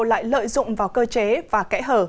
lại lợi dụng vào cơ chế và kẽ hở